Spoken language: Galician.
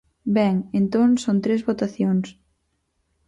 Ben, entón son tres votacións.